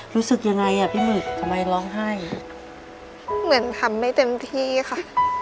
รู้สึกยังไงอ่ะพี่หมึกทำไมร้องไห้เหมือนทำไม่เต็มที่ค่ะ